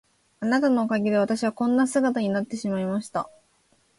あなたのおかげで私はこんな姿になってしまいました。